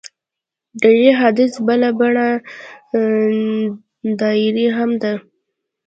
د دې حدیث بله بڼه ډایري هم ده.